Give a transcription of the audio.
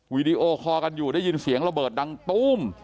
วิดีโอคอลกันอยู่ได้ยินเสียงระเบิดดังตู้ม